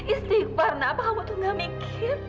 istighfar kenapa kamu tuh gak mikir